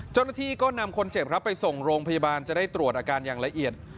เจ้าหน้าที่ก็นำคนเจ็บครับไปส่งโรงพยาบาลจะได้ตรวจอาการอย่างละเอียด